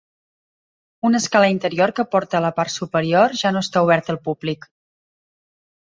Una escala interior que porta a la part superior ja no està oberta al públic.